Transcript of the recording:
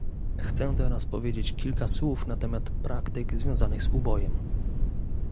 Chcę teraz powiedzieć kilka słów na temat praktyk związanych z ubojem